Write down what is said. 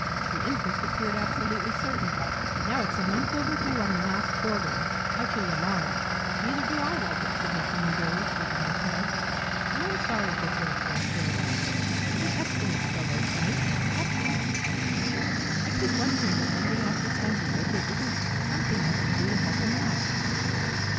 The interest appeared absolutely certain. Now it's a month overdue on the last quarter. I feel alarmed." "Neither do I like it," said Mr. Newberry, shaking his head; "and I'm sorry for Fareforth Furlong. An excellent fellow, Fyshe, excellent. I keep wondering Sunday after Sunday, if there isn't something I can do to help him out.